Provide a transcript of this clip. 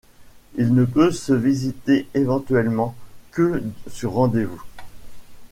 Il ne peut se visiter éventuellement que sur rendez-vous.